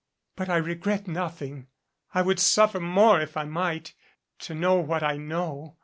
"But I regret nothing. I would suffer more, if I might, to know what I know.